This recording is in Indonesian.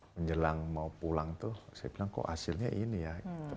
menjelang mau pulang tuh saya bilang kok hasilnya ini ya